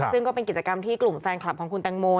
ซึ่งก็เป็นกิจกรรมที่กลุ่มแฟนคลับของคุณแตงโม